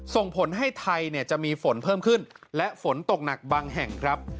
ส่งผลให้ไทยจะมีฝนเพิ่มขึ้นและฝนตกหนักบางแห่งครับ